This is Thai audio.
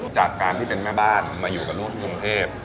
จากการที่เป็นแม่บ้านมาอยู่กับนู่นที่กรุงเทพ